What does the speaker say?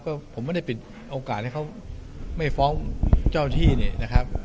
ก็ผมไม่ได้ปิดโอกาสให้เขาไม่ฟ้องเจ้าที่เนี่ยนะครับ